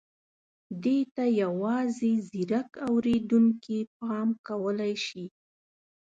دې ته یوازې ځيرک اورېدونکي پام کولای شي.